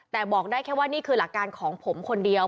แต่บอกได้แค่ว่านี่คือหลักการของผมคนเดียว